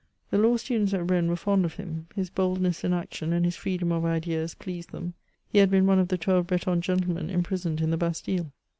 The law students at Rennes were fond of him ; his boldness in action and his freedom of ideas pleased them ; he had been one of the twelve Breton gentlemen imprisoned in the Bastille.